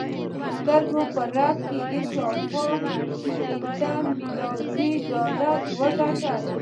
د سترګو په رپ کې یې شاوخوا شپېته میلارده ډالر وګټل